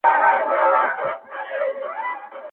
د شپې غمونه وي په شپه كي بيا خوښي كله وي.